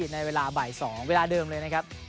ในเวลาบ่าย๒เวลาเดิมเลยนะครับ